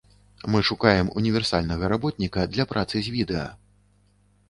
Мы шукаем універсальнага работніка для працы з відэа.